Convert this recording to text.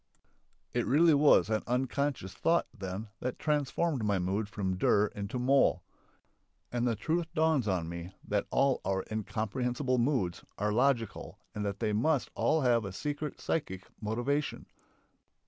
It really was an "unconscious" thought, then, that transformed my mood from dur into moll. And the truth dawns on me that all our "incomprehensible" moods are logical and that they must all have a secret psychic motivation.